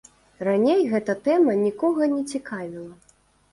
Раней гэта тэма нікога не цікавіла.